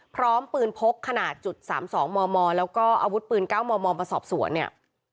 พร้อมปืนพกขนาดจุด๓๒มมแล้วก็อาวุธปืน๙มมมาสอบสวนเนี่ย